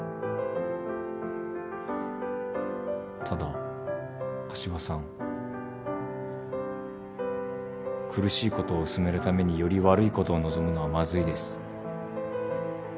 ただ柏さん苦しいことを薄めるためにより悪いことを望むのはまずいです。